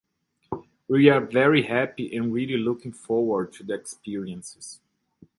We are very happy and really looking forward to the experiences